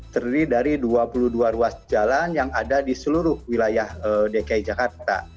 terdiri dari dua puluh dua ruas jalan yang ada di seluruh wilayah dki jakarta